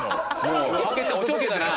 おちょけたな。